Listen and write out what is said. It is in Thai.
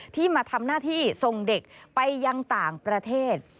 ที่มาทำหน้าที่ส่งเด็กไปยังต่างประเทศ